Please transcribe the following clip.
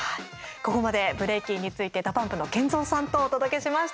ここまでブレイキンについてＤＡＰＵＭＰのＫＥＮＺＯさんとお届けしました。